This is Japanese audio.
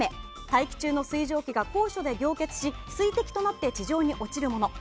大気中の水蒸気が高所で凝結し水滴となって地上に落ちるもの。